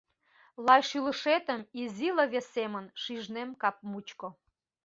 Лай шӱлышетым, изи лыве семын, шижнем кап мучко.